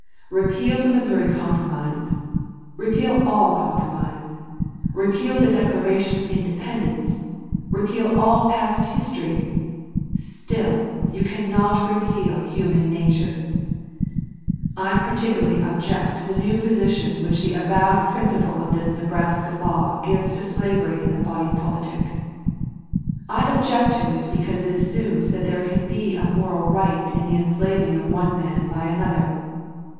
Repeal the Missouri Compromise repeal all compromise repeal the Declaration of Independence repeal all past history still you cannot repeal human nature. I particularly object to the new position which the avowed principle of this Nebraska law gives to slavery in the body politic. I object to it because it assumes that there can be moral right in the enslaving of one man by another.